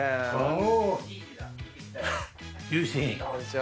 お！